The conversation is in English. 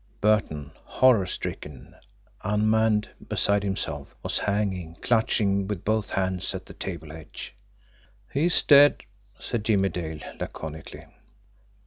Burton, horror stricken, unmanned, beside himself, was hanging, clutching with both hands at the table edge. "He's dead," said Jimmie Dale laconically.